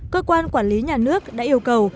cơ quan quản lý nhà nước đã yêu cầu